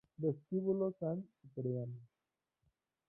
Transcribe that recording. Vestíbulo San Cipriano